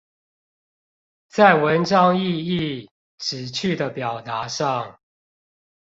在文章意義、旨趣的表達上